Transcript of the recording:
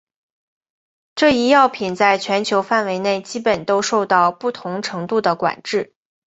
这一药品在全球范围内基本都受到不同程度的管制。